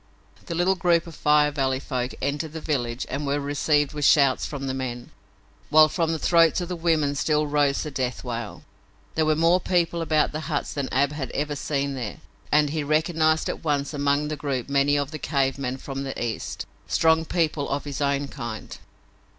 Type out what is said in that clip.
The little group of Fire Valley folk entered the village and were received with shouts from the men, while from the throats of the women still rose the death wail. There were more people about the huts than Ab had ever seen there and he recognized at once among the group many of the cave men from the East, strong people of his own kind.